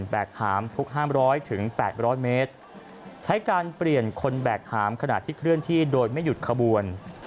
และการเปลี่ยนคนแบกหามขนาดที่เคลื่อนที่โดยไม่หยุดขบวน